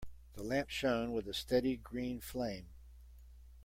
The lamp shone with a steady green flame.